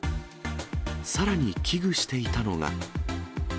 さらに危惧していたのが。